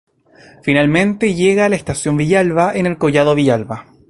Finalmente llega a la estación de Villalba en Collado Villalba.